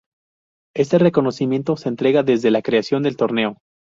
Este reconocimiento se entrega desde la creación del torneo.